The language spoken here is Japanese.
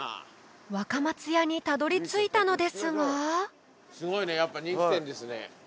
「若松屋」にたどり着いたのですがすごいねやっぱ人気店ですね。